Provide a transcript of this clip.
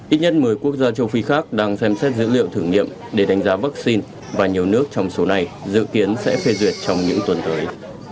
ít nhất một mươi quốc gia châu phi khác đang xem xét dữ liệu thử nghiệm để đánh giá vaccine và nhiều nước trong số này dự kiến sẽ phê duyệt trong những tuần tới